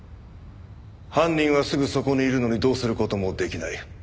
犯人はすぐそこにいるのにどうする事もできない。